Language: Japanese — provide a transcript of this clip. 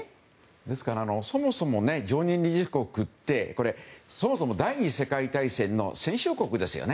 ですからそもそも常任理事国って第２次世界大戦の戦勝国ですよね。